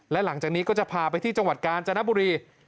และหลังจากนี้ก็จะพาไปที่จังหวัดกาญจนบุรี